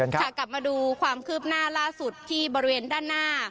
กลับมาดูความคืบหน้าล่าสุดที่บริเวณด้านหน้า